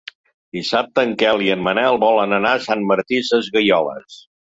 Dissabte en Quel i en Manel volen anar a Sant Martí Sesgueioles.